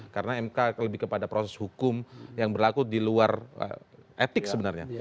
karena mk lebih kepada proses hukum yang berlaku di luar etik sebenarnya